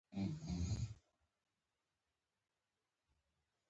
د افغانستان په زړه کې د کابل ښکلی ښار شتون لري.